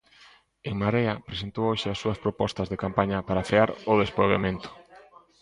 En Marea presentou hoxe as súas propostas de campaña para frear o despoboamento.